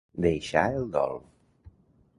Deixar el dol.